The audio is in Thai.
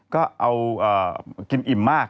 ก็เอากินอิ่มมาก